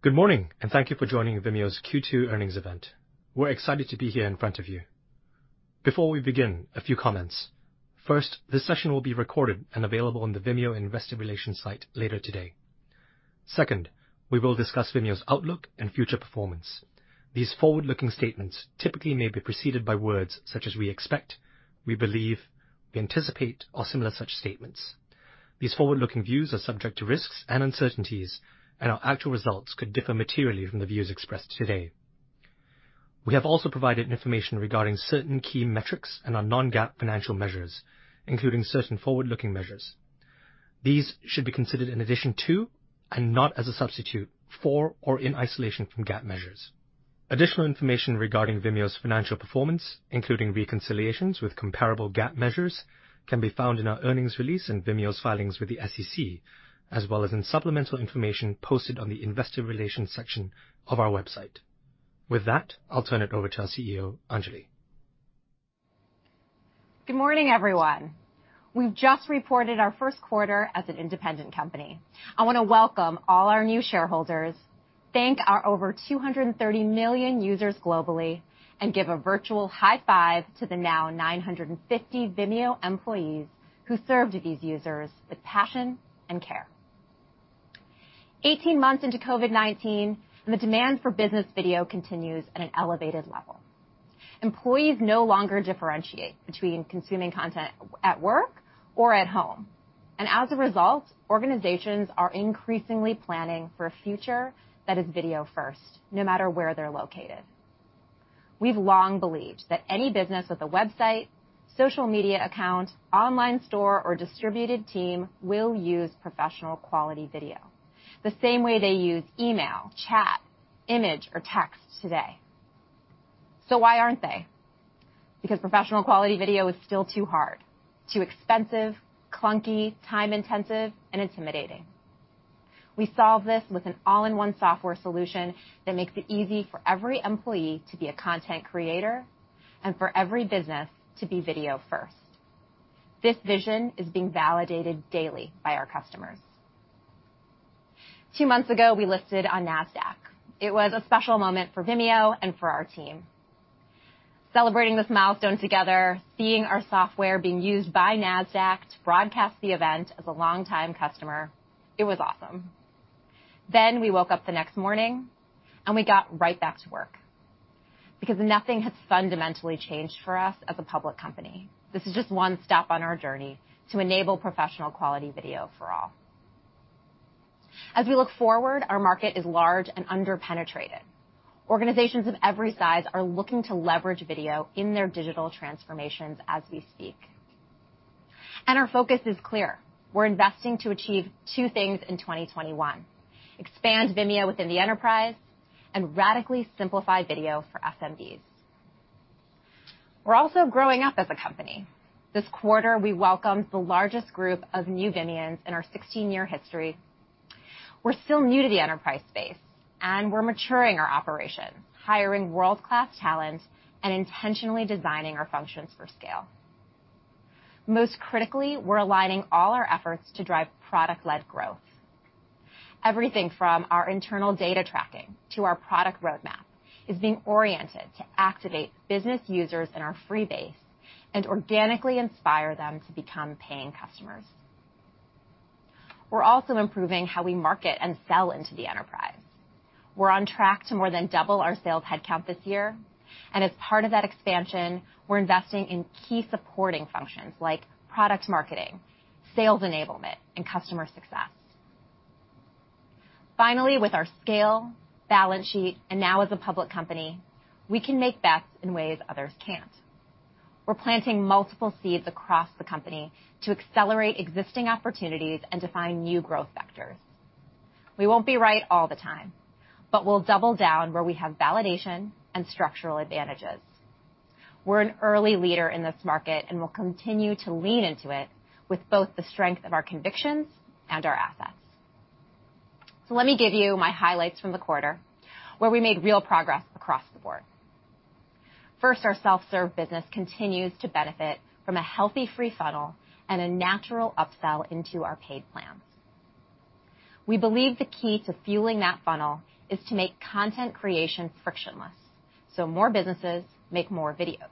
Good morning, and thank you for joining Vimeo's Q2 earnings event. We're excited to be here in front of you. Before we begin, a few comments. First, this session will be recorded and available on the Vimeo Investor Relations site later today. Second, we will discuss Vimeo's outlook and future performance. These forward-looking statements typically may be preceded by words such as "we expect," "we believe," "we anticipate," or similar such statements. These forward-looking views are subject to risks and uncertainties, and our actual results could differ materially from the views expressed today. We have also provided information regarding certain key metrics and our non-GAAP financial measures, including certain forward-looking measures. These should be considered in addition to and not as a substitute for or in isolation from GAAP measures. Additional information regarding Vimeo's financial performance, including reconciliations with comparable GAAP measures, can be found in our earnings release and Vimeo's filings with the SEC, as well as in supplemental information posted on the Investor Relations section of our website. With that, I'll turn it over to our CEO, Anjali. Good morning, everyone. We've just reported our first quarter as an independent company. I want to welcome all our new shareholders, thank our over 230 million users globally, and give a virtual high five to the now 950 Vimeo employees who serve these users with passion and care. 18 months into COVID-19, the demand for business video continues at an elevated level. Employees no longer differentiate between consuming content at work or at home. As a result, organizations are increasingly planning for a future that is video first, no matter where they're located. We've long believed that any business with a website, social media account, online store, or distributed team will use professional quality video the same way they use email, chat, image, or text today. Why aren't they? Because professional quality video is still too hard, too expensive, clunky, time-intensive, and intimidating. We solve this with an all-in-one software solution that makes it easy for every employee to be a content creator and for every business to be video first. This vision is being validated daily by our customers. Two months ago, we listed on Nasdaq. It was a special moment for Vimeo and for our team. Celebrating this milestone together, seeing our software being used by Nasdaq to broadcast the event as a longtime customer, it was awesome. We woke up the next morning, and we got right back to work because nothing has fundamentally changed for us as a public company. This is just one step on our journey to enable professional quality video for all. As we look forward, our market is large and under-penetrated. Organizations of every size are looking to leverage video in their digital transformations as we speak. Our focus is clear. We're investing to achieve two things in 2021: expand Vimeo within the enterprise and radically simplify video for SMBs. We're also growing up as a company. This quarter, we welcomed the largest group of new Vimeans in our 16-year history. We're still new to the enterprise space, and we're maturing our operation, hiring world-class talent, and intentionally designing our functions for scale. Most critically, we're aligning all our efforts to drive product-led growth. Everything from our internal data tracking to our product roadmap is being oriented to activate business users in our free base and organically inspire them to become paying customers. We're also improving how we market and sell into the enterprise. We're on track to more than double our sales headcount this year, and as part of that expansion, we're investing in key supporting functions like product marketing, sales enablement, and customer success. With our scale, balance sheet, and now as a public company, we can make bets in ways others can't. We're planting multiple seeds across the company to accelerate existing opportunities and to find new growth vectors. We won't be right all the time, we'll double down where we have validation and structural advantages. We're an early leader in this market will continue to lean into it with both the strength of our convictions and our assets. Let me give you my highlights from the quarter, where we made real progress across the board. First, our self-serve business continues to benefit from a healthy free funnel and a natural upsell into our paid plans. We believe the key to fueling that funnel is to make content creation frictionless, more businesses make more videos.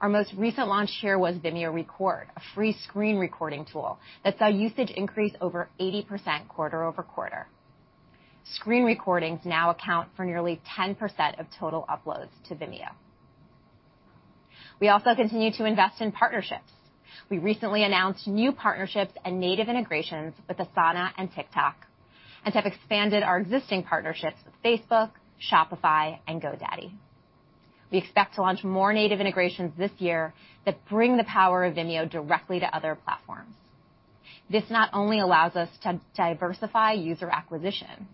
Our most recent launch here was Vimeo Record, a free screen recording tool that saw usage increase over 80% quarter-over-quarter. Screen recordings now account for nearly 10% of total uploads to Vimeo. We also continue to invest in partnerships. We recently announced new partnerships and native integrations with Asana and TikTok and have expanded our existing partnerships with Facebook, Shopify, and GoDaddy. We expect to launch more native integrations this year that bring the power of Vimeo directly to other platforms. This not only allows us to diversify user acquisition,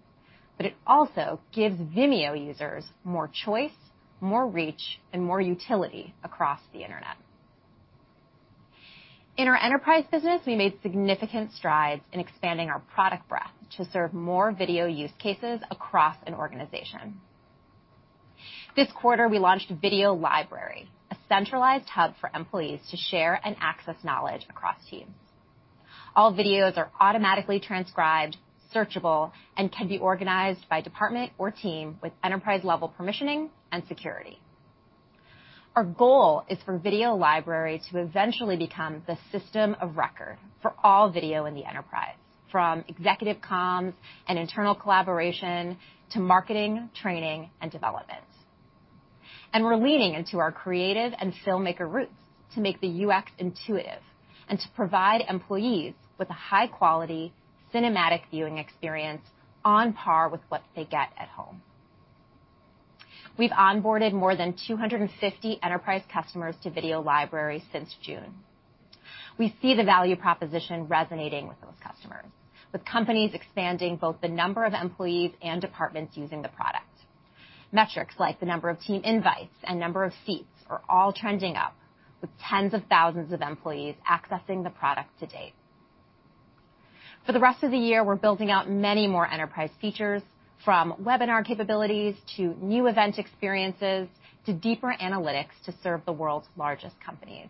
but it also gives Vimeo users more choice, more reach, and more utility across the internet. In our enterprise business, we made significant strides in expanding our product breadth to serve more video use cases across an organization. This quarter, we launched Video Library, a centralized hub for employees to share and access knowledge across teams. All videos are automatically transcribed, searchable, and can be organized by department or team with enterprise-level permissioning and security. Our goal is for Video Library to eventually become the system of record for all video in the enterprise, from executive comms and internal collaboration to marketing, training, and development. We're leaning into our creative and filmmaker roots to make the UX intuitive and to provide employees with a high-quality cinematic viewing experience on par with what they get at home. We've onboarded more than 250 enterprise customers to Video Library since June. We see the value proposition resonating with those customers, with companies expanding both the number of employees and departments using the product. Metrics like the number of team invites and number of seats are all trending up, with tens of thousands of employees accessing the product to date. For the rest of the year, we're building out many more enterprise features, from webinar capabilities to new event experiences to deeper analytics to serve the world's largest companies.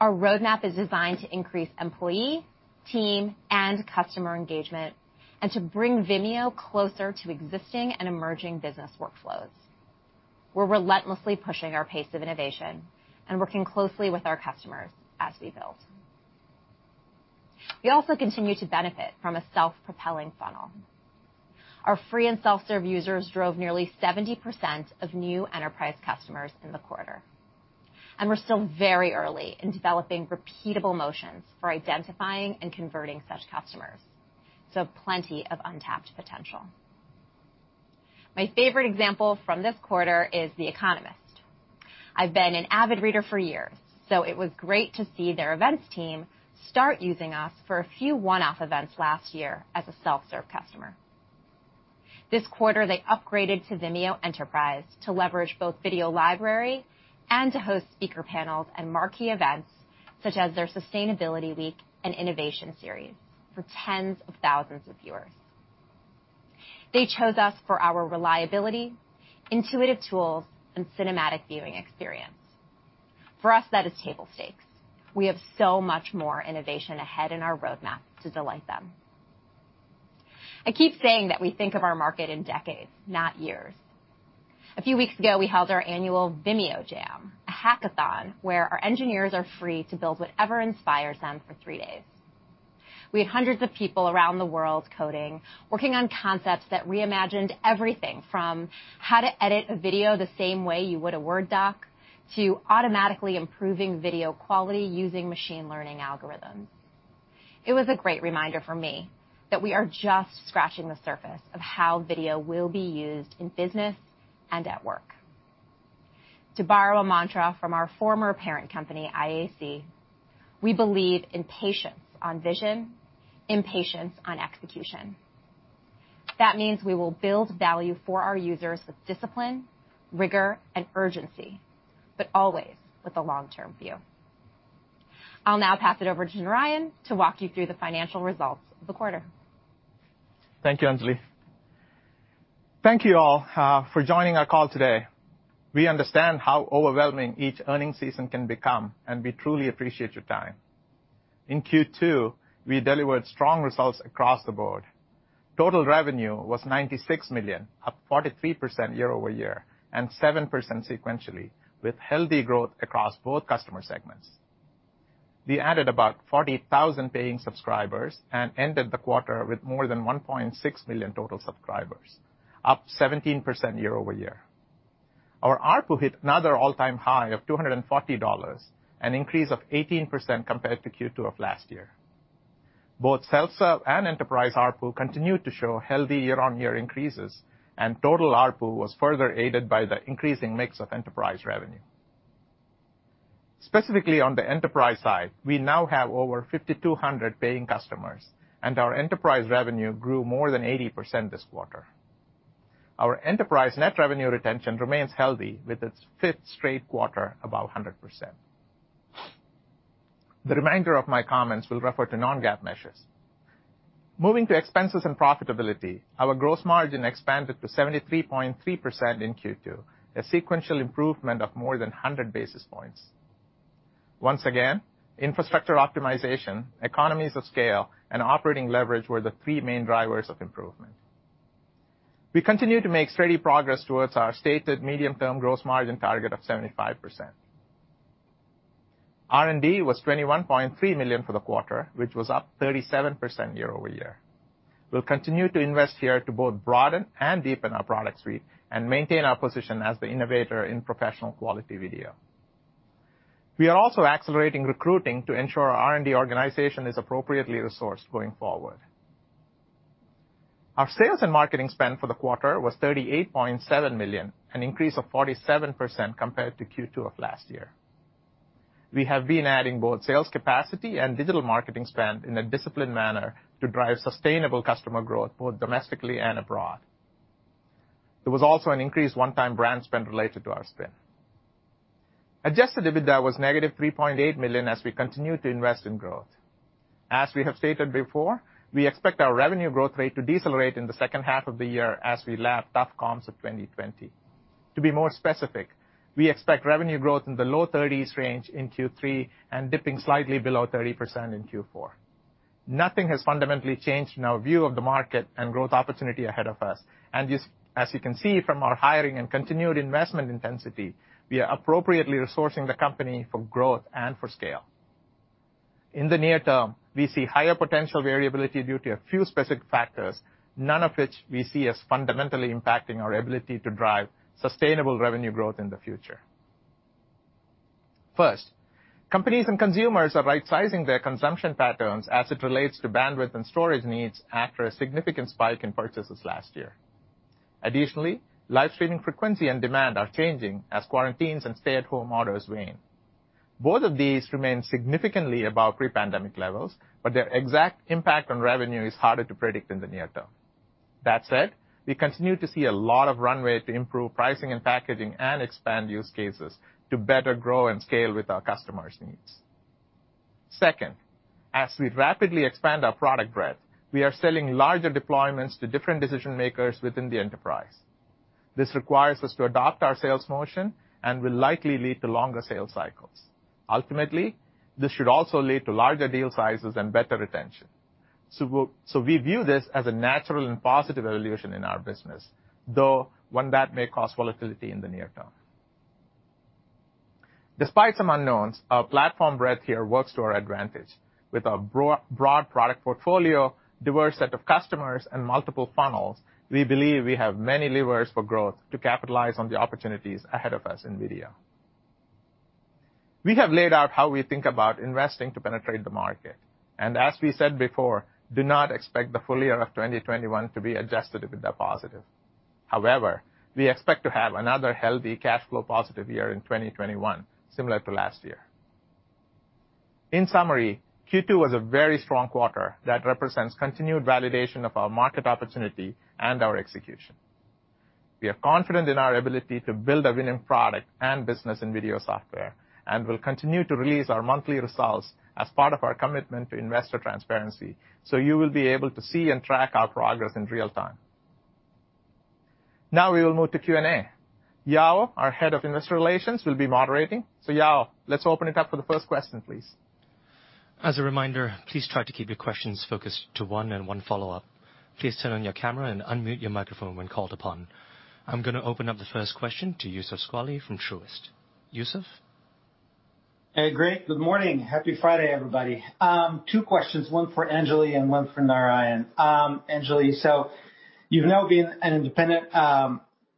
Our roadmap is designed to increase employee, team, and customer engagement and to bring Vimeo closer to existing and emerging business workflows. We're relentlessly pushing our pace of innovation and working closely with our customers as we build. We also continue to benefit from a self-propelling funnel. Our free and self-serve users drove nearly 70% of new enterprise customers in the quarter, and we're still very early in developing repeatable motions for identifying and converting such customers, so plenty of untapped potential. My favorite example from this quarter is The Economist. I've been an avid reader for years, so it was great to see their events team start using us for a few one-off events last year as a self-serve customer. This quarter, they upgraded to Vimeo Enterprise to leverage both Video Library and to host speaker panels and marquee events such as their Sustainability Week and Innovation Series for tens of thousands of viewers. They chose us for our reliability, intuitive tools, and cinematic viewing experience. For us, that is table stakes. We have so much more innovation ahead in our roadmap to delight them. I keep saying that we think of our market in decades, not years. A few weeks ago, we held our annual Vimeo Jam, a hackathon where our engineers are free to build whatever inspires them for three days. We had hundreds of people around the world coding, working on concepts that reimagined everything from how to edit a video the same way you would a Word doc to automatically improving video quality using machine learning algorithms. It was a great reminder for me that we are just scratching the surface of how video will be used in business and at work. To borrow a mantra from our former parent company, IAC, we believe in patience on vision, impatience on execution. That means we will build value for our users with discipline, rigor, and urgency, but always with a long-term view. I'll now pass it over to Narayan to walk you through the financial results of the quarter. Thank you, Anjali. Thank you all for joining our call today. We understand how overwhelming each earnings season can become, and we truly appreciate your time. In Q2, we delivered strong results across the board. Total revenue was $96 million, up 43% year-over-year and 7% sequentially, with healthy growth across both customer segments. We added about 40,000 paying subscribers and ended the quarter with more than 1.6 million total subscribers, up 17% year-over-year. Our ARPU hit another all-time high of $240, an increase of 18% compared to Q2 of last year. Both self-serve and enterprise ARPU continued to show healthy year-on-year increases, and total ARPU was further aided by the increasing mix of enterprise revenue. Specifically, on the enterprise side, we now have over 5,200 paying customers, and our enterprise revenue grew more than 80% this quarter. Our enterprise net revenue retention remains healthy with its fifth straight quarter above 100%. The remainder of my comments will refer to non-GAAP measures. Moving to expenses and profitability, our gross margin expanded to 73.3% in Q2, a sequential improvement of more than 100 basis points. Once again, infrastructure optimization, economies of scale, and operating leverage were the three main drivers of improvement. We continue to make steady progress towards our stated medium-term gross margin target of 75%. R&D was $21.3 million for the quarter, which was up 37% year-over-year. We'll continue to invest here to both broaden and deepen our product suite and maintain our position as the innovator in professional quality video. We are also accelerating recruiting to ensure our R&D organization is appropriately resourced going forward. Our sales and marketing spend for the quarter was $38.7 million, an increase of 47% compared to Q2 of last year. We have been adding both sales capacity and digital marketing spend in a disciplined manner to drive sustainable customer growth both domestically and abroad. There was also an increased one-time brand spend related to our spin. Adjusted EBITDA was negative $3.8 million as we continued to invest in growth. As we have stated before, we expect our revenue growth rate to decelerate in the second half of the year as we lap tough comps of 2020. To be more specific, we expect revenue growth in the low 30s range in Q3 and dipping slightly below 30% in Q4. Nothing has fundamentally changed in our view of the market and growth opportunity ahead of us. As you can see from our hiring and continued investment intensity, we are appropriately resourcing the company for growth and for scale. In the near term, we see higher potential variability due to a few specific factors, none of which we see as fundamentally impacting our ability to drive sustainable revenue growth in the future. First, companies and consumers are rightsizing their consumption patterns as it relates to bandwidth and storage needs after a significant spike in purchases last year. Additionally, live streaming frequency and demand are changing as quarantines and stay-at-home orders wane. Both of these remain significantly above pre-pandemic levels, but their exact impact on revenue is harder to predict in the near term. That said, we continue to see a lot of runway to improve pricing and packaging and expand use cases to better grow and scale with our customers' needs. Second, as we rapidly expand our product breadth, we are selling larger deployments to different decision-makers within the enterprise. This requires us to adapt our sales motion and will likely lead to longer sales cycles. Ultimately, this should also lead to larger deal sizes and better retention. We view this as a natural and positive evolution in our business, though one that may cause volatility in the near term. Despite some unknowns, our platform breadth here works to our advantage. With our broad product portfolio, diverse set of customers, and multiple funnels, we believe we have many levers for growth to capitalize on the opportunities ahead of us in video. We have laid out how we think about investing to penetrate the market, and as we said before, do not expect the full year of 2021 to be adjusted EBITDA positive. However, we expect to have another healthy cash flow positive year in 2021, similar to last year. In summary, Q2 was a very strong quarter that represents continued validation of our market opportunity and our execution. We are confident in our ability to build a winning product and business in video software, and will continue to release our monthly results as part of our commitment to investor transparency, so you will be able to see and track our progress in real time. Now we will move to Q&A. Yao, our head of investor relations, will be moderating. Yao, let's open it up for the first question, please. As a reminder, please try to keep your questions focused to one and one follow-up. Please turn on your camera and unmute your microphone when called upon. I'm going to open up the first question to Youssef Squali from Truist. Youssef? Hey, great. Good morning. Happy Friday, everybody. Two questions, one for Anjali and one for Narayan. Anjali, you've now been an independent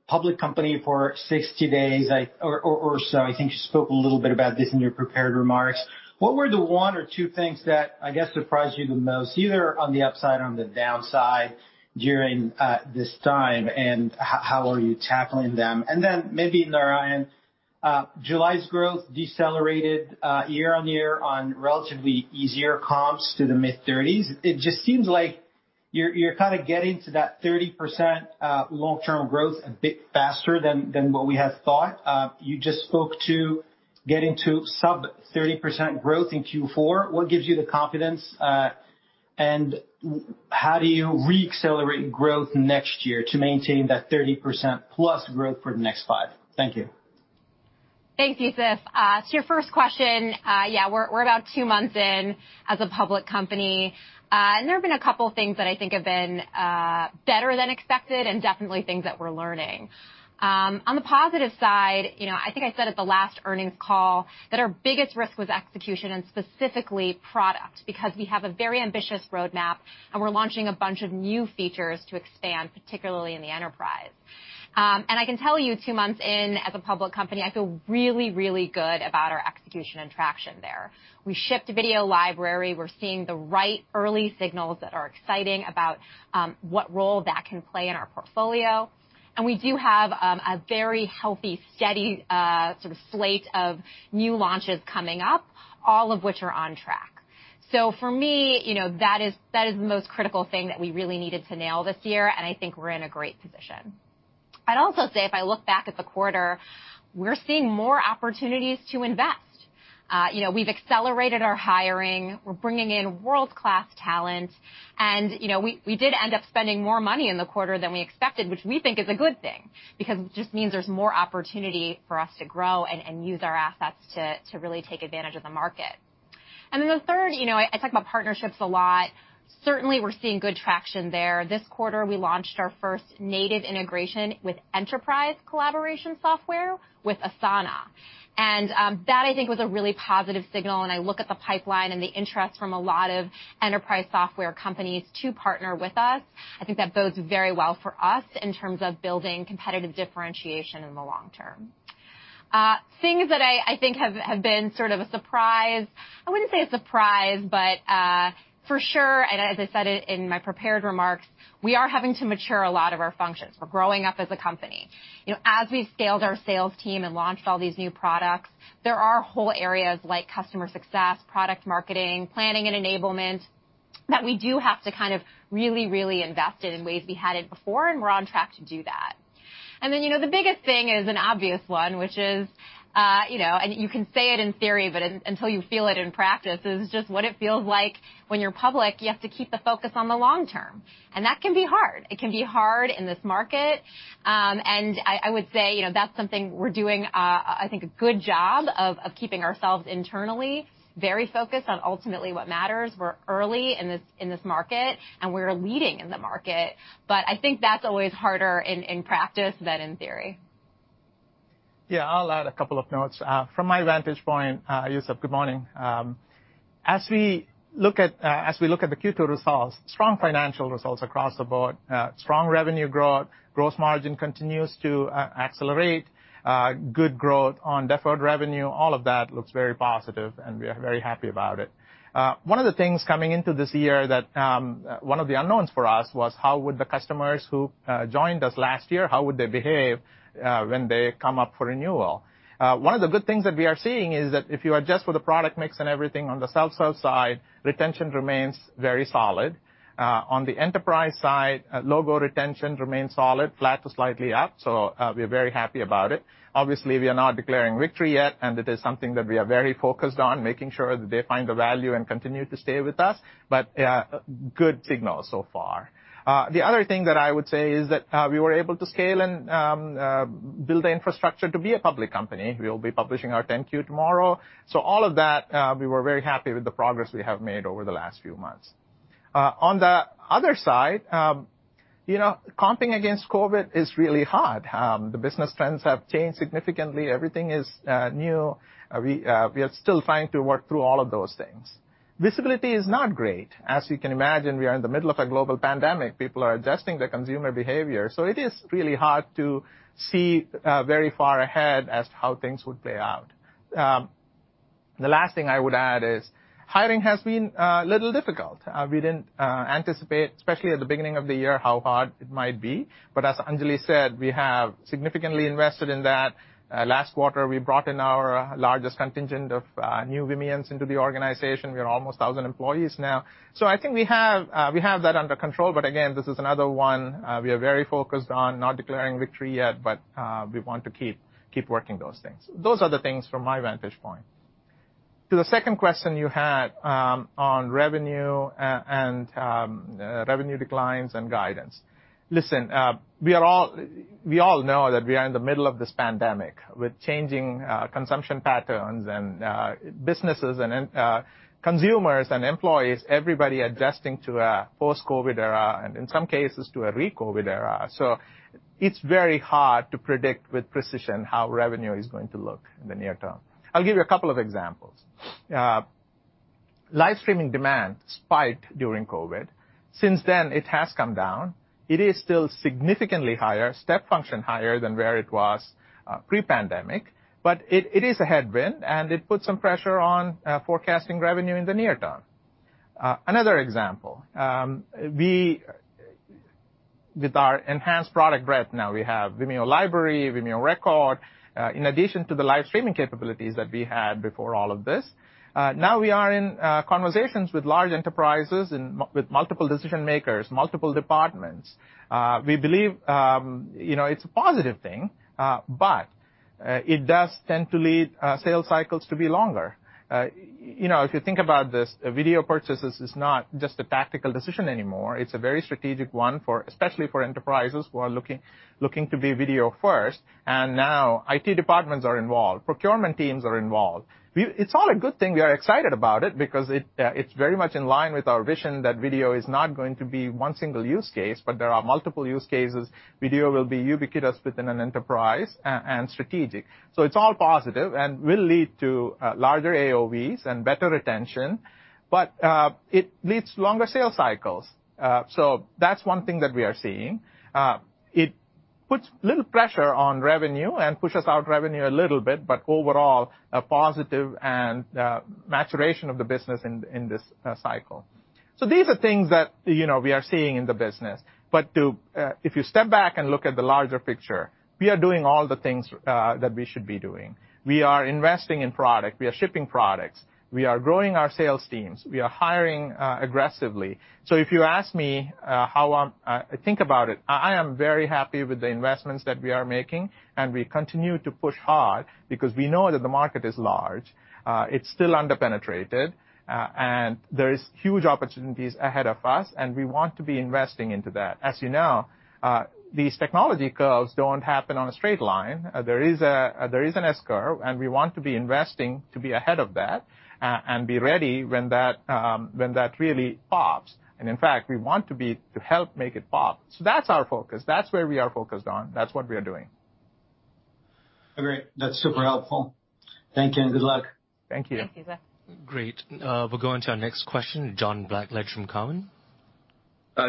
public company for 60 days or so. I think you spoke a little bit about this in your prepared remarks. What were the one or two things that, I guess, surprised you the most, either on the upside or on the downside during this time, and how are you tackling them? Maybe Narayan, July's growth decelerated year-over-year on relatively easier comps to the mid-30s. It just seems like you're kind of getting to that 30% long-term growth a bit faster than what we had thought. You just spoke to getting to sub 30% growth in Q4. What gives you the confidence, and how do you re-accelerate growth next year to maintain that 30%+ growth for the next five? Thank you. Thank you, Youssef. To your first question, yeah, we're about two months in as a public company. There have been a couple of things that I think have been better than expected and definitely things that we're learning. On the positive side, I think I said at the last earnings call that our biggest risk was execution and specifically product, because we have a very ambitious roadmap, and we're launching a bunch of new features to expand, particularly in the enterprise. I can tell you, two months in as a public company, I feel really, really good about our execution and traction there. We shipped Video Library. We're seeing the right early signals that are exciting about what role that can play in our portfolio. We do have a very healthy, steady sort of slate of new launches coming up, all of which are on track. For me, that is the most critical thing that we really needed to nail this year, and I think we're in a great position. I'd also say if I look back at the quarter, we're seeing more opportunities to invest. We've accelerated our hiring. We're bringing in world-class talent. We did end up spending more money in the quarter than we expected, which we think is a good thing because it just means there's more opportunity for us to grow and use our assets to really take advantage of the market. The third, I talk about partnerships a lot. Certainly, we're seeing good traction there. This quarter, we launched our first native integration with enterprise collaboration software with Asana. That, I think, was a really positive signal, and I look at the pipeline and the interest from a lot of enterprise software companies to partner with us. I think that bodes very well for us in terms of building competitive differentiation in the long term. Things that I think have been sort of a surprise, I wouldn't say a surprise, but for sure, and as I said in my prepared remarks, we are having to mature a lot of our functions. We're growing up as a company. As we've scaled our sales team and launched all these new products, there are whole areas like customer success, product marketing, planning and enablement that we do have to really, really invest it in ways we hadn't before, and we're on track to do that. The biggest thing is an obvious one, which is, you can say it in theory, but until you feel it in practice, is just what it feels like when you're public, you have to keep the focus on the long term, that can be hard. It can be hard in this market. I would say, that's something we're doing, I think, a good job of keeping ourselves internally very focused on ultimately what matters. We're early in this market, we're leading in the market. I think that's always harder in practice than in theory. I'll add a couple of notes. From my vantage point, Youssef, good morning. As we look at the Q2 results, strong financial results across the board. Strong revenue growth. Gross margin continues to accelerate. Good growth on deferred revenue. All of that looks very positive, and we are very happy about it. One of the things coming into this year that one of the unknowns for us was how would the customers who joined us last year, how would they behave when they come up for renewal? One of the good things that we are seeing is that if you adjust for the product mix and everything on the SaaS side, retention remains very solid. On the enterprise side, logo retention remains solid, flat to slightly up, so we're very happy about it. We are not declaring victory yet, and it is something that we are very focused on, making sure that they find the value and continue to stay with us. Good signals so far. The other thing that I would say is that we were able to scale and build the infrastructure to be a public company. We'll be publishing our 10-Q tomorrow. All of that, we were very happy with the progress we have made over the last few months. On the other side, comping against COVID is really hard. The business trends have changed significantly. Everything is new. We are still trying to work through all of those things. Visibility is not great. As you can imagine, we are in the middle of a global pandemic. People are adjusting their consumer behavior, so it is really hard to see very far ahead as to how things would play out. The last thing I would add is hiring has been a little difficult. We didn't anticipate, especially at the beginning of the year, how hard it might be. As Anjali said, we have significantly invested in that. Last quarter, we brought in our largest contingent of new Vimeans into the organization. We are almost 1,000 employees now. I think we have that under control. Again, this is another one we are very focused on, not declaring victory yet, but we want to keep working those things. Those are the things from my vantage point. To the second question you had on revenue and revenue declines and guidance. Listen, we all know that we are in the middle of this pandemic with changing consumption patterns and businesses and consumers and employees, everybody adjusting to a post-COVID era, and in some cases, to a re-COVID era. It's very hard to predict with precision how revenue is going to look in the near term. I'll give you a couple of examples. Live streaming demand spiked during COVID. Since then, it has come down. It is still significantly higher, step function higher than where it was pre-pandemic, but it is a headwind, and it puts some pressure on forecasting revenue in the near term. Another example with our enhanced product breadth, we have Video Library, Vimeo Record, in addition to the live streaming capabilities that we had before all of this. We are in conversations with large enterprises and with multiple decision-makers, multiple departments. We believe it's a positive thing. It does tend to lead sales cycles to be longer. If you think about this, video purchases is not just a tactical decision anymore. It's a very strategic one, especially for enterprises who are looking to be video first. Now IT departments are involved, procurement teams are involved. It's all a good thing. We are excited about it because it's very much in line with our vision that video is not going to be one single use case, but there are multiple use cases. Video will be ubiquitous within an enterprise and strategic. It's all positive and will lead to larger AOVs and better retention. It leads to longer sales cycles. That's one thing that we are seeing. It puts a little pressure on revenue and pushes out revenue a little bit, but overall, a positive and maturation of the business in this cycle. These are things that we are seeing in the business. If you step back and look at the larger picture, we are doing all the things that we should be doing. We are investing in product. We are shipping products. We are growing our sales teams. We are hiring aggressively. If you ask me how I think about it, I am very happy with the investments that we are making, and we continue to push hard because we know that the market is large. It's still under-penetrated, and there is huge opportunities ahead of us, and we want to be investing into that. As you know, these technology curves don't happen on a straight line. There is an S-curve, we want to be investing to be ahead of that and be ready when that really pops. In fact, we want to help make it pop. That's our focus. That's where we are focused on. That's what we are doing. Great. That's super helpful. Thank you, and good luck. Thank you. Thank you, Youssef. Great. We'll go on to our next question, John Blackledge from Cowen.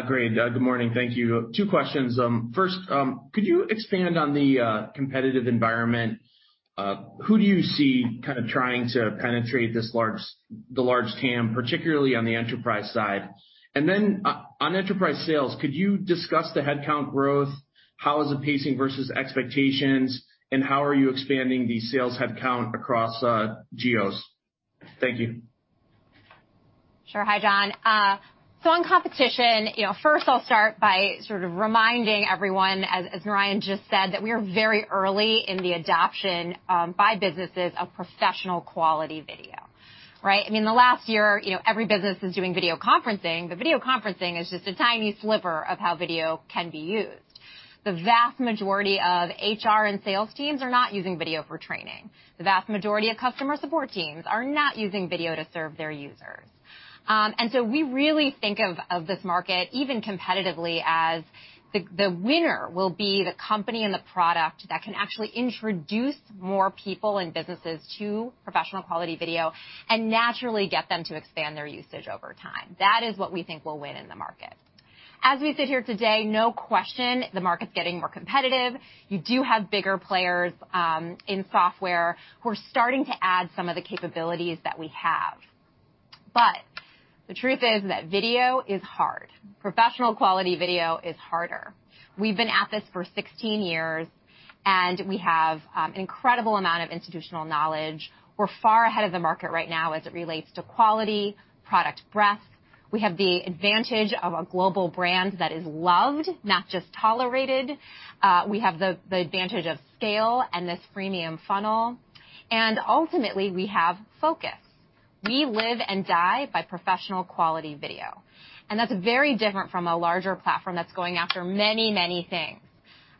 Great. Good morning. Thank you. Two questions. First, could you expand on the competitive environment? Who do you see kind of trying to penetrate the large TAM, particularly on the enterprise side? On enterprise sales, could you discuss the headcount growth? How is it pacing versus expectations, and how are you expanding the sales headcount across geos? Thank you. Sure. Hi, John. On competition, first I'll start by sort of reminding everyone, as Narayan just said, that we are very early in the adoption by businesses of professional quality video, right? I mean, the last year, every business is doing video conferencing, but video conferencing is just a tiny sliver of how video can be used. The vast majority of HR and sales teams are not using video for training. The vast majority of customer support teams are not using video to serve their users. We really think of this market, even competitively, as the winner will be the company and the product that can actually introduce more people and businesses to professional quality video and naturally get them to expand their usage over time. That is what we think will win in the market. As we sit here today, no question, the market's getting more competitive. You do have bigger players in software who are starting to add some of the capabilities that we have. The truth is that video is hard. Professional quality video is harder. We've been at this for 16 years, and we have an incredible amount of institutional knowledge. We're far ahead of the market right now as it relates to quality, product breadth. We have the advantage of a global brand that is loved, not just tolerated. We have the advantage of scale and this freemium funnel. Ultimately, we have focus. We live and die by professional quality video, and that's very different from a larger platform that's going after many things.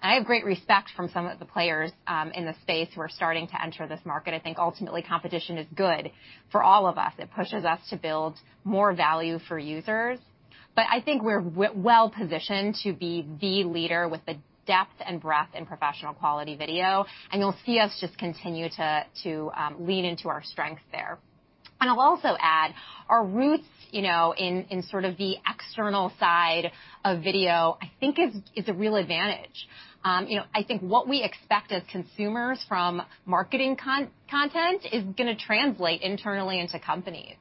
I have great respect from some of the players in the space who are starting to enter this market. I think ultimately competition is good for all of us. It pushes us to build more value for users. I think we're well-positioned to be the leader with the depth and breadth in professional quality video, and you'll see us just continue to lean into our strength there. I'll also add, our roots in sort of the external side of video, I think is a real advantage. I think what we expect as consumers from marketing content is going to translate internally into companies.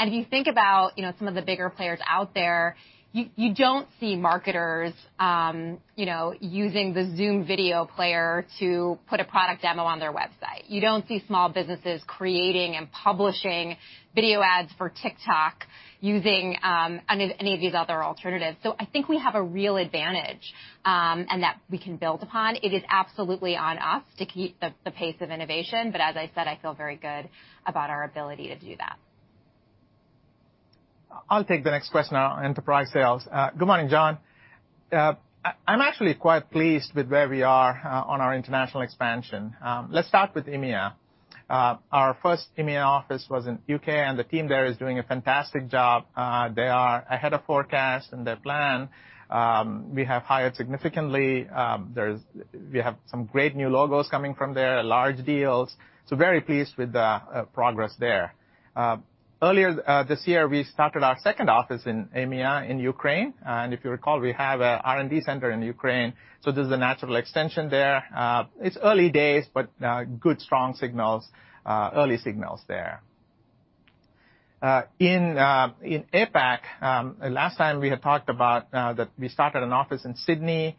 If you think about some of the bigger players out there, you don't see marketers using the Zoom video player to put a product demo on their website. You don't see small businesses creating and publishing video ads for TikTok using any of these other alternatives. I think we have a real advantage, and that we can build upon. It is absolutely on us to keep the pace of innovation, but as I said, I feel very good about our ability to do that. I'll take the next question on enterprise sales. Good morning, John. I'm actually quite pleased with where we are on our international expansion. Let's start with EMEA. Our first EMEA office was in U.K., and the team there is doing a fantastic job. They are ahead of forecast in their plan. We have hired significantly. We have some great new logos coming from there, large deals. Very pleased with the progress there. Earlier this year, we started our second office in EMEA in Ukraine, and if you recall, we have an R&D center in Ukraine, so this is a natural extension there. It's early days, but good strong signals, early signals there. In APAC, last time we had talked about that we started an office in Sydney.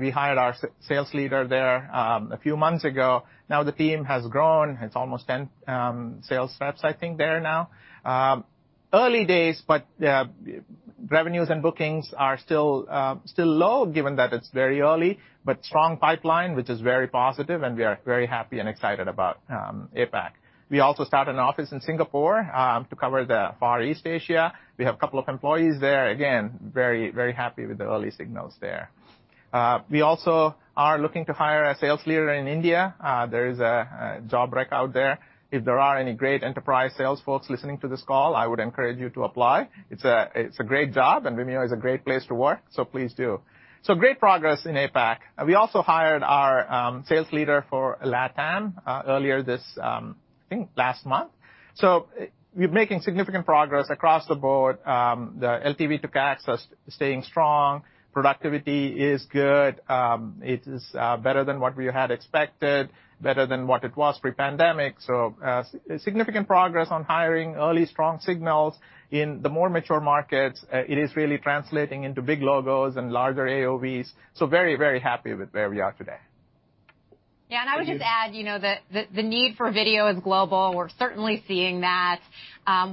We hired our sales leader there a few months ago. The team has grown. It's almost 10 sales reps, I think, there now. Early days, but revenues and bookings are still low given that it's very early, but strong pipeline, which is very positive, and we are very happy and excited about APAC. We also started an office in Singapore to cover the Far East Asia. We have a couple of employees there. Again, very happy with the early signals there. We also are looking to hire a sales leader in India. There is a job rec out there. If there are any great enterprise sales folks listening to this call, I would encourage you to apply. It's a great job, and Vimeo is a great place to work, so please do. Great progress in APAC. We also hired our sales leader for LATAM earlier this, I think, last month. We're making significant progress across the board. The LTV to CAC is staying strong. Productivity is good. It is better than what we had expected, better than what it was pre-pandemic. Significant progress on hiring early strong signals in the more mature markets. It is really translating into big logos and larger AOVs. Very happy with where we are today. Yeah. I would just add, the need for video is global. We're certainly seeing that.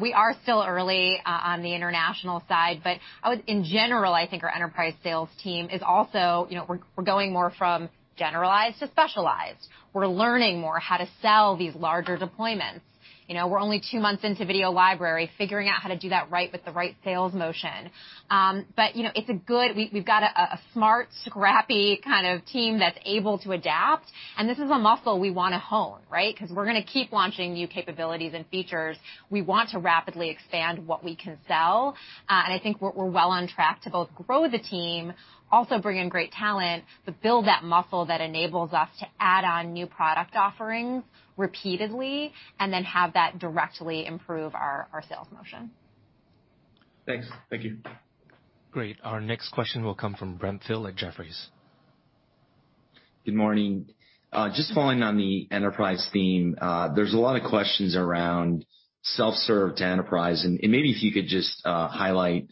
We are still early on the international side, but I would, in general, I think our enterprise sales team is also, we're going more from generalized to specialized. We're learning more how to sell these larger deployments. We're only two months into Video Library, figuring out how to do that right with the right sales motion. We've got a smart, scrappy kind of team that's able to adapt, and this is a muscle we want to hone, right? We're going to keep launching new capabilities and features. We want to rapidly expand what we can sell. I think we're well on track to both grow the team, also bring in great talent to build that muscle that enables us to add on new product offerings repeatedly, and then have that directly improve our sales motion. Thanks. Thank you. Great. Our next question will come from Brent Thill at Jefferies. Good morning. Just following on the enterprise theme. There's a lot of questions around self-serve to enterprise, maybe if you could just highlight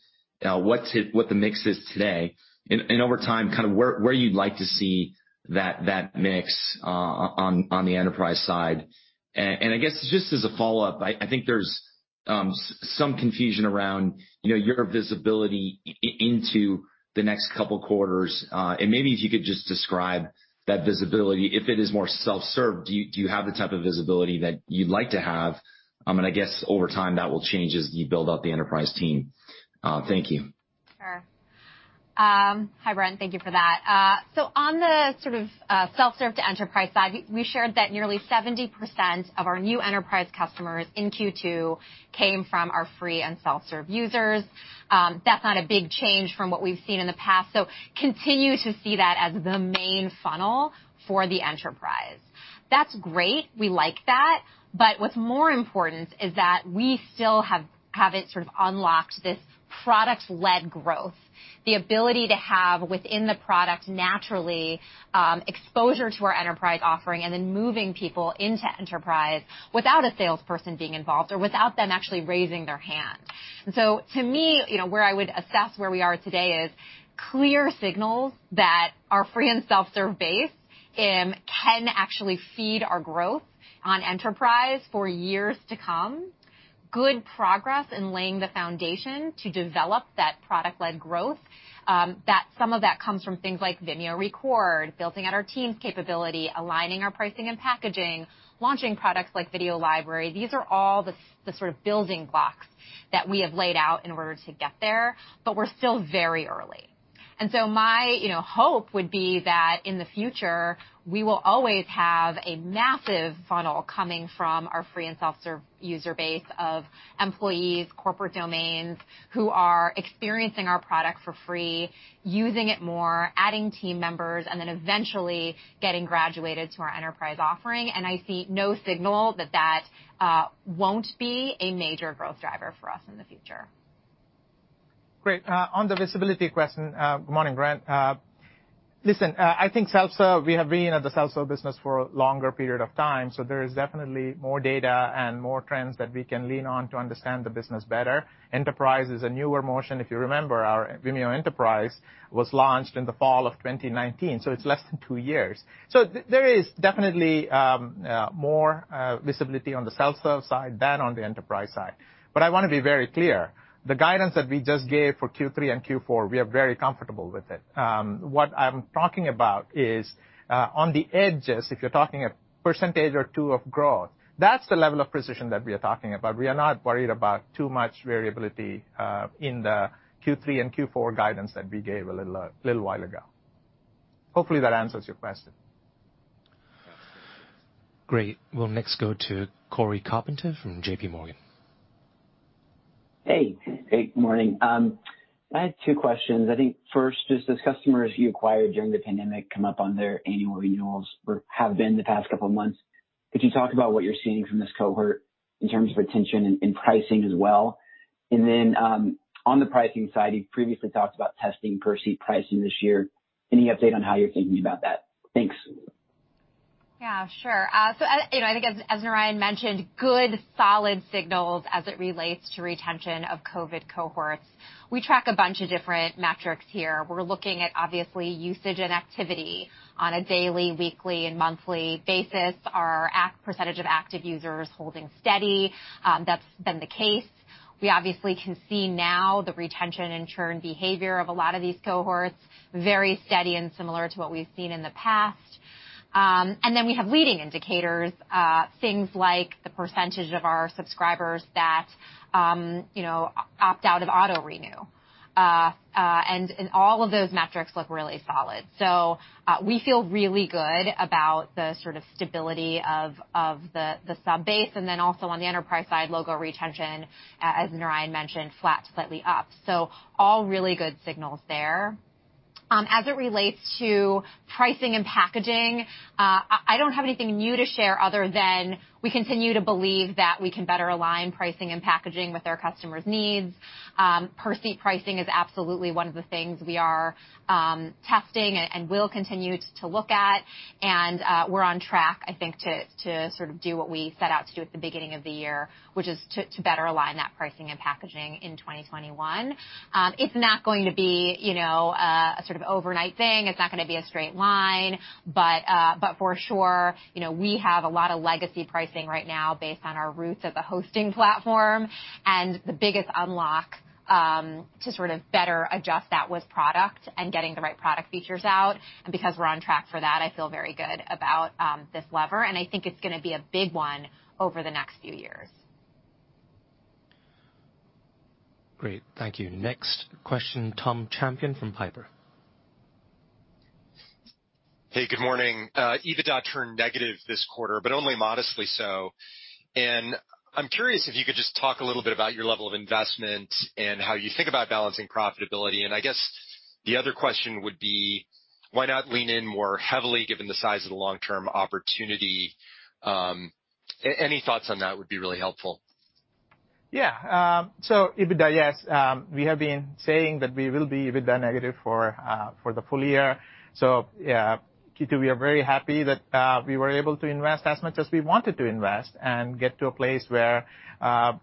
what the mix is today, and over time, where you'd like to see that mix on the enterprise side. I guess, just as a follow-up, I think there's some confusion around your visibility into the next couple of quarters. Maybe if you could just describe that visibility. If it is more self-serve, do you have the type of visibility that you'd like to have? I guess over time, that will change as you build out the enterprise team. Thank you. Sure. Hi, Brent. Thank you for that. On the sort of self-serve to enterprise side, we shared that nearly 70% of our new enterprise customers in Q2 came from our free and self-serve users. That's not a big change from what we've seen in the past. Continue to see that as the main funnel for the enterprise. That's great. We like that, what's more important is that we still haven't sort of unlocked this product-led growth, the ability to have within the product naturally, exposure to our enterprise offering, and then moving people into enterprise without a salesperson being involved, or without them actually raising their hand. To me, where I would assess where we are today is clear signals that our free and self-serve base can actually feed our growth on enterprise for years to come, good progress in laying the foundation to develop that product-led growth. Some of that comes from things like Vimeo Record, building out our team's capability, aligning our pricing and packaging, launching products like Video Library. These are all the sort of building blocks that we have laid out in order to get there, but we're still very early. My hope would be that in the future, we will always have a massive funnel coming from our free and self-serve user base of employees, corporate domains, who are experiencing our product for free, using it more, adding team members, and then eventually getting graduated to our enterprise offering. I see no signal that that won't be a major growth driver for us in the future. Great. On the visibility question, good morning, Brent. Listen, I think we have been in the self-serve business for a longer period of time, so there is definitely more data and more trends that we can lean on to understand the business better. Enterprise is a newer motion. If you remember, our Vimeo Enterprise was launched in the fall of 2019, so it's less than two years. There is definitely more visibility on the self-serve side than on the enterprise side. I want to be very clear, the guidance that we just gave for Q3 and Q4, we are very comfortable with it. What I'm talking about is, on the edges, if you're talking a percentage or two of growth, that's the level of precision that we are talking about. We are not worried about too much variability in the Q3 and Q4 guidance that we gave a little while ago. Hopefully, that answers your question. Great. We'll next go to Cory Carpenter from JPMorgan. Hey. Good morning. I had two questions. I think first is, as customers you acquired during the pandemic come up on their annual renewals or have been the past couple of months, could you talk about what you're seeing from this cohort in terms of retention and pricing as well? On the pricing side, you've previously talked about testing per-seat pricing this year. Any update on how you're thinking about that? Thanks. Yeah, sure. I think as Narayan mentioned, good, solid signals as it relates to retention of COVID cohorts. We track a bunch of different metrics here. We're looking at, obviously, usage and activity on a daily, weekly, and monthly basis. Our percentage of active users holding steady. That's been the case. We obviously can see now the retention and churn behavior of a lot of these cohorts, very steady and similar to what we've seen in the past. We have leading indicators, things like the percentage of our subscribers that opt out of auto-renew. All of those metrics look really solid. We feel really good about the sort of stability of the sub-base, and then also on the enterprise side, logo retention, as Narayan mentioned, flat to slightly up. All really good signals there. As it relates to pricing and packaging, I don't have anything new to share other than we continue to believe that we can better align pricing and packaging with our customers' needs. Per-seat pricing is absolutely one of the things we are testing and will continue to look at. We're on track, I think, to sort of do what we set out to do at the beginning of the year, which is to better align that pricing and packaging in 2021. It's not going to be a sort of overnight thing. It's not going to be a straight line. For sure, we have a lot of legacy pricing right now based on our roots as a hosting platform. The biggest unlock to sort of better adjust that with product and getting the right product features out. Because we're on track for that, I feel very good about this lever, and I think it's going to be a big one over the next few years. Great. Thank you. Next question, Tom Champion from Piper. Hey, good morning. EBITDA turned negative this quarter, but only modestly so. I'm curious if you could just talk a little bit about your level of investment and how you think about balancing profitability. I guess the other question would be why not lean in more heavily given the size of the long-term opportunity? Any thoughts on that would be really helpful. EBITDA, yes. We have been saying that we will be EBITDA negative for the full year. Q2, we are very happy that we were able to invest as much as we wanted to invest and get to a place where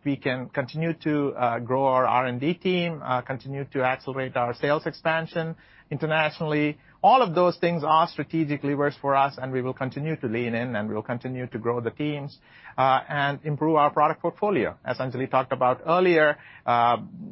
we can continue to grow our R&D team, continue to accelerate our sales expansion internationally. All of those things are strategic levers for us, and we will continue to lean in, and we will continue to grow the teams and improve our product portfolio. As Anjali talked about earlier,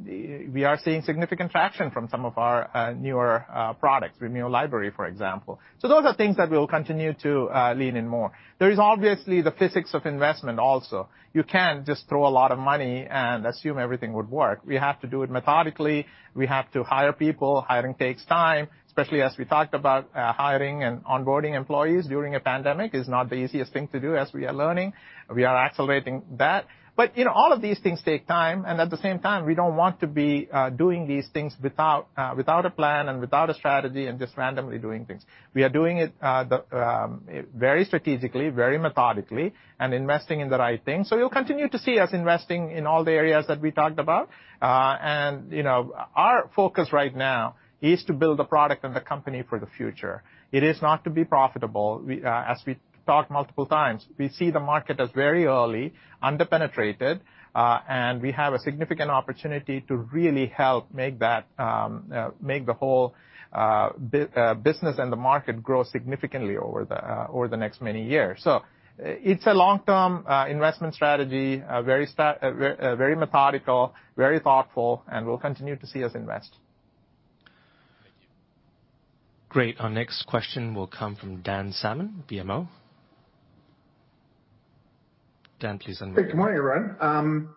we are seeing significant traction from some of our newer products, Video Library, for example. Those are things that we will continue to lean in more. There is obviously the physics of investment also. You can't just throw a lot of money and assume everything would work. We have to do it methodically. We have to hire people. Hiring takes time, especially as we talked about hiring and onboarding employees during a pandemic is not the easiest thing to do, as we are learning. We are accelerating that. All of these things take time, and at the same time, we don't want to be doing these things without a plan and without a strategy and just randomly doing things. We are doing it very strategically, very methodically, and investing in the right thing. You'll continue to see us investing in all the areas that we talked about. Our focus right now is to build the product and the company for the future. It is not to be profitable. As we've talked multiple times, we see the market as very early, under-penetrated, and we have a significant opportunity to really help make the whole business and the market grow significantly over the next many years. It's a long-term investment strategy, very methodical, very thoughtful, and you'll continue to see us invest. Thank you. Great. Our next question will come from Dan Salmon, BMO. Dan, please unmute. Good morning, everyone.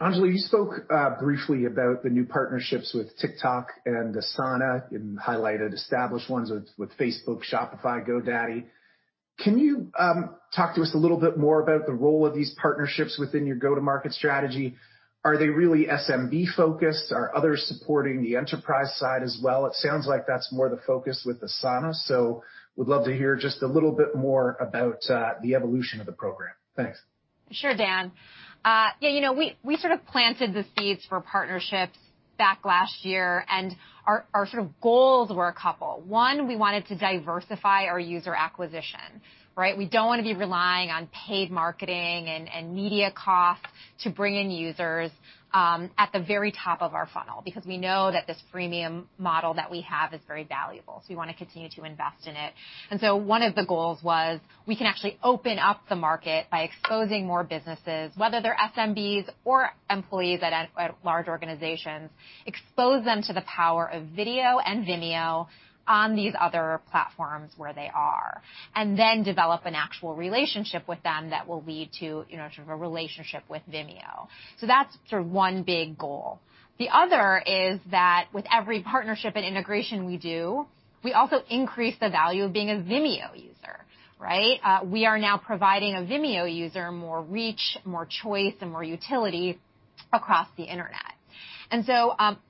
Anjali, you spoke briefly about the new partnerships with TikTok and Asana and highlighted established ones with Facebook, Shopify, GoDaddy. Can you talk to us a little bit more about the role of these partnerships within your go-to market strategy? Are they really SMB-focused? Are others supporting the enterprise side as well? It sounds like that's more the focus with Asana, so would love to hear just a little bit more about the evolution of the program. Thanks. Sure, Dan. Yeah, we sort of planted the seeds for partnerships back last year. Our sort of goals were a couple. One, we wanted to diversify our user acquisition. We don't want to be relying on paid marketing and media costs to bring in users at the very top of our funnel, because we know that this freemium model that we have is very valuable. We want to continue to invest in it. One of the goals was we can actually open up the market by exposing more businesses, whether they're SMBs or employees at large organizations, expose them to the power of video and Vimeo on these other platforms where they are, and then develop an actual relationship with them that will lead to sort of a relationship with Vimeo. That's sort of one big goal. The other is that with every partnership and integration we do, we also increase the value of being a Vimeo user. We are now providing a Vimeo user more reach, more choice, and more utility across the internet.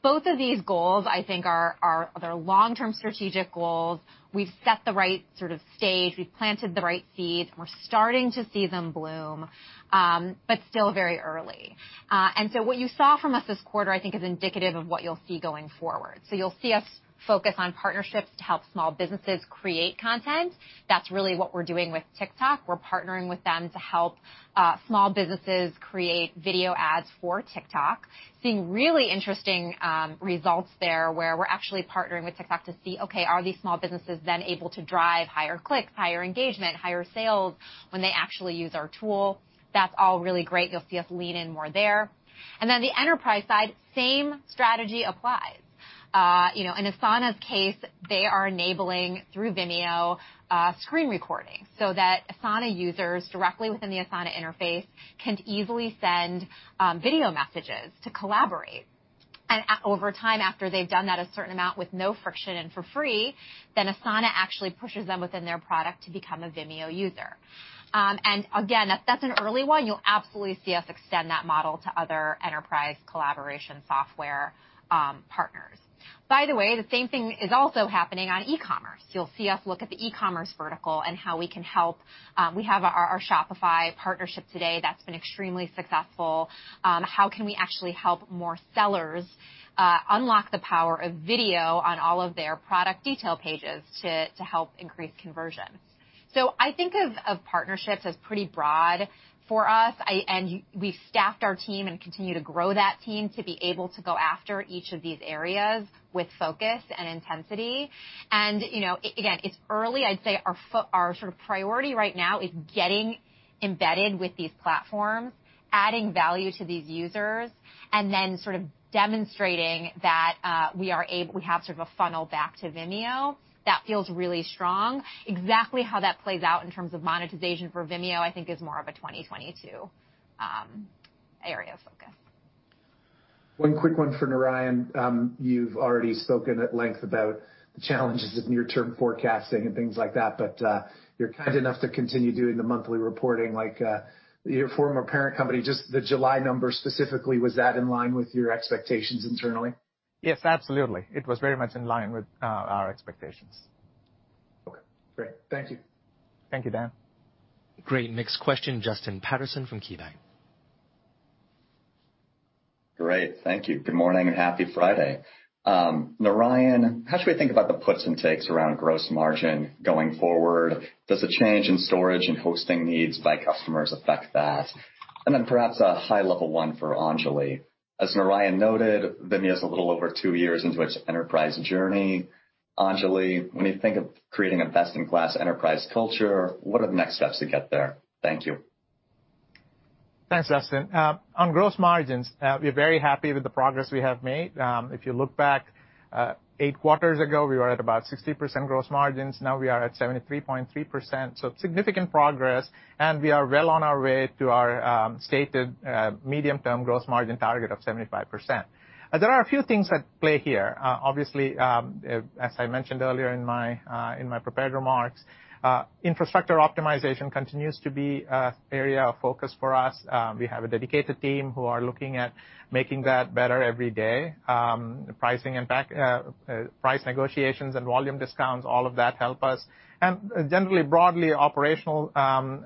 Both of these goals, I think, are long-term strategic goals. We've set the right sort of stage. We've planted the right seeds. We're starting to see them bloom. Still very early. What you saw from us this quarter, I think, is indicative of what you'll see going forward. You'll see us focus on partnerships to help small businesses create content. That's really what we're doing with TikTok. We're partnering with them to help small businesses create video ads for TikTok. Seeing really interesting results there, where we're actually partnering with TikTok to see, okay, are these small businesses then able to drive higher clicks, higher engagement, higher sales when they actually use our tool? That's all really great. You'll see us lean in more there. The enterprise side, same strategy applies. In Asana's case, they are enabling, through Vimeo, screen recording so that Asana users directly within the Asana interface can easily send video messages to collaborate. Over time, after they've done that a certain amount with no friction and for free, then Asana actually pushes them within their product to become a Vimeo user. Again, that's an early one. You'll absolutely see us extend that model to other enterprise collaboration software partners. By the way, the same thing is also happening on e-commerce. You'll see us look at the e-commerce vertical and how we can help. We have our Shopify partnership today. That's been extremely successful. How can we actually help more sellers unlock the power of video on all of their product detail pages to help increase conversion? I think of partnerships as pretty broad for us. We've staffed our team and continue to grow that team to be able to go after each of these areas with focus and intensity. Again, it's early. I'd say our sort of priority right now is getting embedded with these platforms, adding value to these users, and then sort of demonstrating that we have sort of a funnel back to Vimeo that feels really strong. Exactly how that plays out in terms of monetization for Vimeo, I think, is more of a 2022 area of focus. One quick one for Narayan. You've already spoken at length about the challenges of near-term forecasting and things like that, you're kind enough to continue doing the monthly reporting like your former parent company. Just the July number specifically, was that in line with your expectations internally? Yes, absolutely. It was very much in line with our expectations. Great. Thank you. Thank you, Dan. Great. Next question, Justin Patterson from KeyBanc. Great. Thank you. Good morning, and happy Friday. Narayan, how should we think about the puts and takes around gross margin going forward? Does the change in storage and hosting needs by customers affect that? Then perhaps a high-level one for Anjali. As Narayan noted, Vimeo's a little over two years into its enterprise journey. Anjali, when you think of creating a best-in-class enterprise culture, what are the next steps to get there? Thank you. Thanks, Justin. On gross margins, we're very happy with the progress we have made. If you look back eight quarters ago, we were at about 60% gross margins. Now we are at 73.3%. Significant progress, and we are well on our way to our stated medium-term gross margin target of 75%. There are a few things at play here. Obviously, as I mentioned earlier in my prepared remarks, infrastructure optimization continues to be an area of focus for us. We have a dedicated team who are looking at making that better every day. Price negotiations and volume discounts, all of that help us. Generally, broadly operational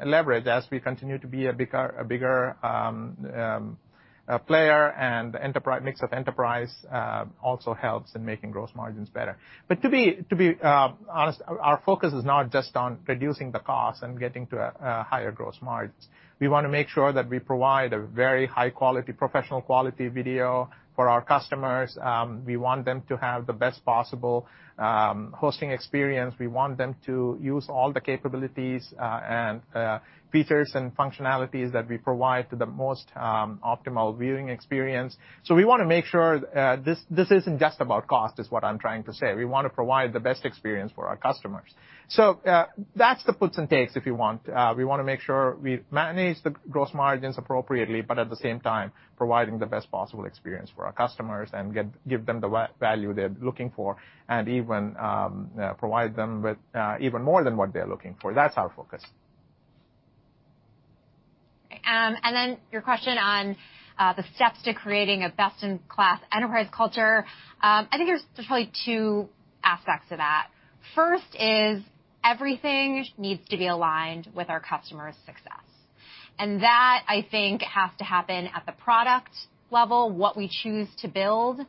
leverage as we continue to be a bigger player and mix of enterprise also helps in making gross margins better. To be honest, our focus is not just on reducing the cost and getting to a higher gross margins. We want to make sure that we provide a very high-quality, professional quality video for our customers. We want them to have the best possible hosting experience. We want them to use all the capabilities and features and functionalities that we provide to the most optimal viewing experience. We want to make sure this isn't just about cost, is what I'm trying to say. We want to provide the best experience for our customers. That's the puts and takes, if you want. We want to make sure we manage the gross margins appropriately, but at the same time, providing the best possible experience for our customers and give them the value they're looking for and even provide them with even more than what they're looking for. That's our focus. Your question on the steps to creating a best-in-class enterprise culture. I think there's probably two aspects to that. First is everything needs to be aligned with our customer success. That, I think, has to happen at the product level, what we choose to build,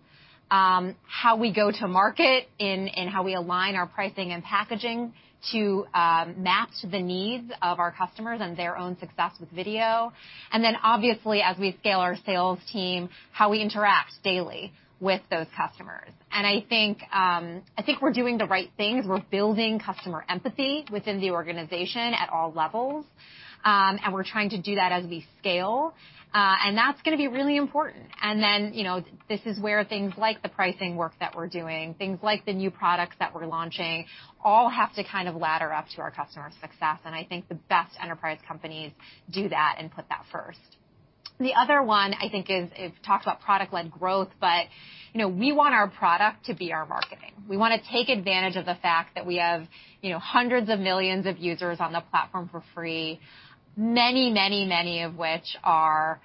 how we go to market and how we align our pricing and packaging to map to the needs of our customers and their own success with video. Obviously, as we scale our sales team, how we interact daily with those customers. I think we're doing the right things. We're building customer empathy within the organization at all levels. We're trying to do that as we scale. That's gonna be really important. This is where things like the pricing work that we're doing, things like the new products that we're launching, all have to ladder up to our customer success. I think the best enterprise companies do that and put that first. The other one I think is, it talks about product-led growth, but we want our product to be our marketing. We want to take advantage of the fact that we have hundreds of millions of users on the platform for free, many of which are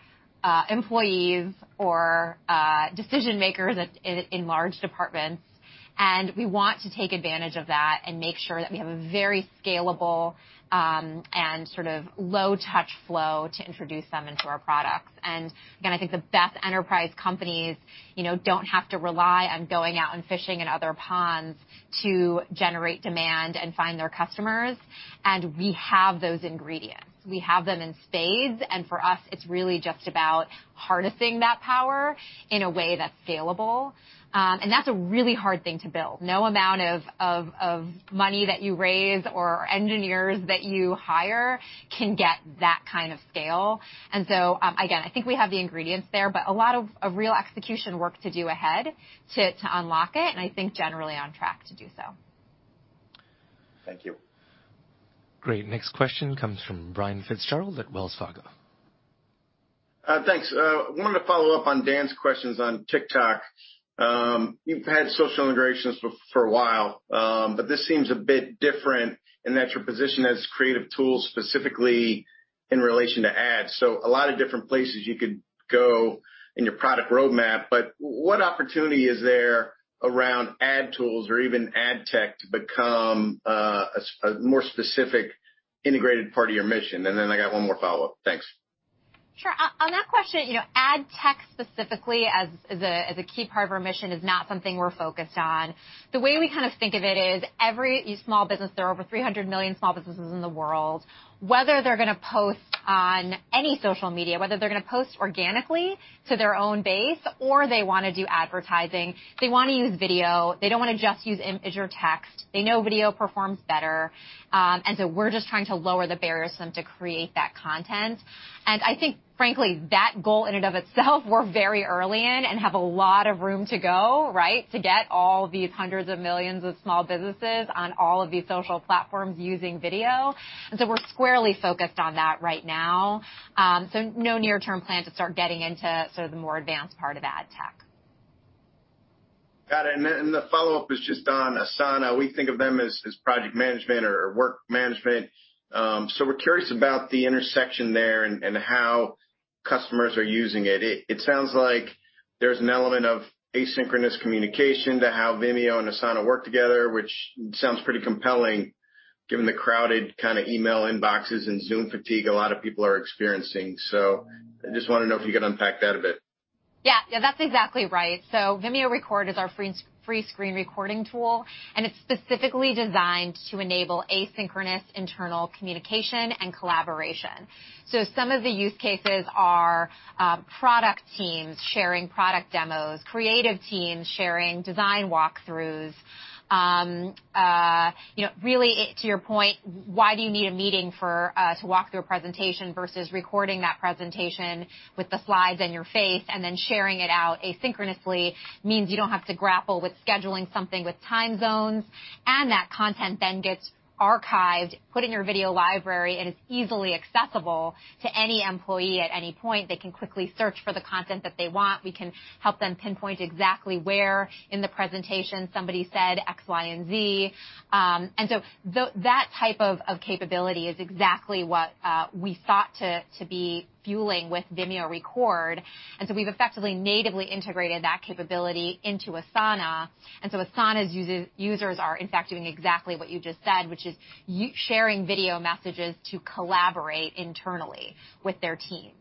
employees or decision-makers in large departments. We want to take advantage of that and make sure that we have a very scalable and low touch flow to introduce them into our products. Again, I think the best enterprise companies don't have to rely on going out and fishing in other ponds to generate demand and find their customers. We have those ingredients. We have them in spades. For us, it's really just about harnessing that power in a way that's scalable. That's a really hard thing to build. No amount of money that you raise or engineers that you hire can get that kind of scale. Again, I think we have the ingredients there, but a lot of real execution work to do ahead to unlock it. I think generally on track to do so. Thank you. Great. Next question comes from Brian Fitzgerald at Wells Fargo. Thanks. I wanted to follow up on Dan's questions on TikTok. You've had social integrations for a while, but this seems a bit different in that your position as creative tools specifically in relation to ads. A lot of different places you could go in your product roadmap, but what opportunity is there around ad tools or even ad tech to become a more specific integrated part of your mission? I got one more follow-up. Thanks. Sure. On that question, ad tech specifically as a key part of our mission is not something we're focused on. The way we think of it is every small business, there are over 300 million small businesses in the world. Whether they're gonna post on any social media, whether they're gonna post organically to their own base, or they wanna do advertising, they wanna use video. They don't wanna just use image or text. They know video performs better. We're just trying to lower the barriers for them to create that content. I think, frankly, that goal in and of itself, we're very early in and have a lot of room to go, right, to get all these hundreds of millions of small businesses on all of these social platforms using video. We're squarely focused on that right now. No near-term plans to start getting into sort of the more advanced part of ad tech. Got it. The follow-up is just on Asana. We think of them as project management or work management. We're curious about the intersection there and customers are using it. It sounds like there's an element of asynchronous communication to how Vimeo and Asana work together, which sounds pretty compelling given the crowded email inboxes and Zoom fatigue a lot of people are experiencing. I just want to know if you could unpack that a bit. Yeah. That's exactly right. Vimeo Record is our free screen recording tool, and it's specifically designed to enable asynchronous internal communication and collaboration. Some of the use cases are product teams sharing product demos, creative teams sharing design walkthroughs. Really, to your point, why do you need a meeting to walk through a presentation versus recording that presentation with the slides and your face and then sharing it out asynchronously means you don't have to grapple with scheduling something with time zones, and that content then gets archived, put in your Video Library, and it's easily accessible to any employee at any point. They can quickly search for the content that they want. We can help them pinpoint exactly where in the presentation somebody said X, Y, and Z. That type of capability is exactly what we sought to be fueling with Vimeo Record. We've effectively natively integrated that capability into Asana. Asana's users are in fact doing exactly what you just said, which is sharing video messages to collaborate internally with their teams.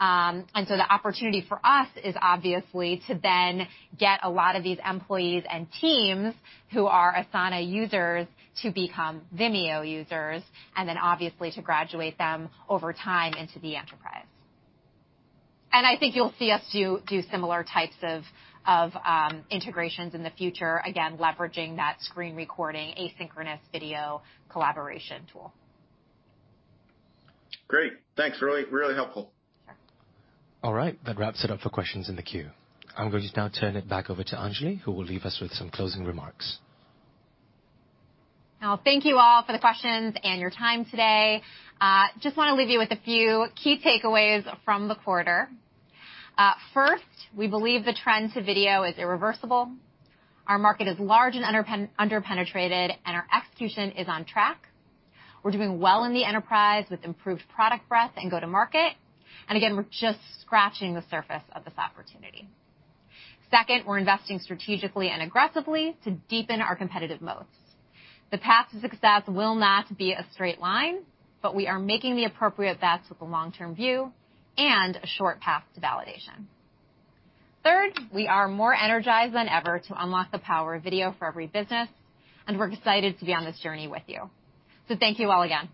The opportunity for us is obviously to then get a lot of these employees and teams who are Asana users to become Vimeo users, and then obviously to graduate them over time into the enterprise. I think you'll see us do similar types of integrations in the future, again, leveraging that screen recording asynchronous video collaboration tool. Great. Thanks. Really helpful. Sure. All right. That wraps it up for questions in the queue. I'm going to now turn it back over to Anjali, who will leave us with some closing remarks. Thank you all for the questions and your time today. Just want to leave you with a few key takeaways from the quarter. First, we believe the trend to video is irreversible. Our market is large and under-penetrated, and our execution is on track. We're doing well in the enterprise with improved product breadth and go-to-market. Again, we're just scratching the surface of this opportunity. Second, we're investing strategically and aggressively to deepen our competitive moats. The path to success will not be a straight line, but we are making the appropriate bets with a long-term view and a short path to validation. Third, we are more energized than ever to unlock the power of video for every business, and we're excited to be on this journey with you. Thank you all again.